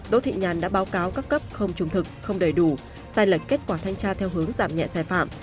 đỗ thị nhàn đã báo cáo các cấp không trung thực không đầy đủ sai lệch kết quả thanh tra theo hướng giảm nhẹ sai phạm